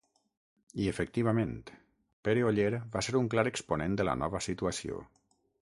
I efectivament, Pere Oller va ser un clar exponent de la nova situació.